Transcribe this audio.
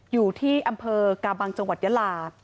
อยู่ที่อำเภอกาบังจังหวัดยาลา